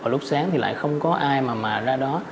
lúc sáng thì lại không có ai mà ra đó